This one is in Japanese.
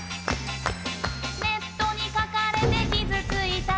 ネットに書かれて傷ついた。